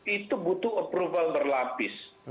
itu butuh approval berlapis